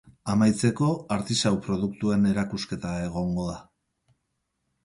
Amaitzeko, artisau produktuen erakusketa egongo da.